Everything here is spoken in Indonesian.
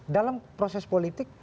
dalam proses politik